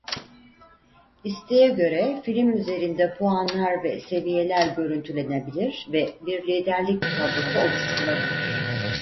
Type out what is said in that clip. İsteğe göre film üzerinde puanlar ve seviyeler görüntülenebilir ve bir liderlik tablosu oluşturulabilir.